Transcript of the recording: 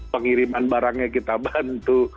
pengiriman barangnya kita bantu